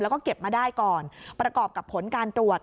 แล้วก็เก็บมาได้ก่อนประกอบกับผลการตรวจ